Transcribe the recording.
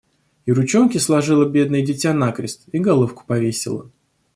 И ручонки сложило бедное дитя накрест, и головку повесило…